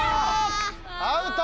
アウト！